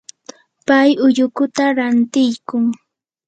pay ullukuta rantiykun.